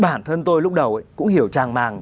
bản thân tôi lúc đầu cũng hiểu tràng mạng